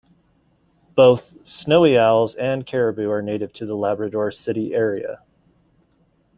Both snowy owls and caribou are native to the Labrador City area.